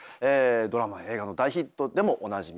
ドラマや映画の大ヒットでもおなじみ